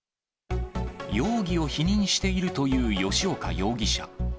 容疑を否認しているという吉岡容疑者。